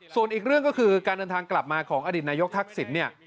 ส่วนอีกเรื่องก็คือการเดินทางกลับมาของอดีตนายกทักษิณเนี่ย